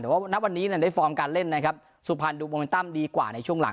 แต่ว่าณวันนี้ได้ฟอร์มการเล่นนะครับสุพรรณดูโมเมนตั้มดีกว่าในช่วงหลัง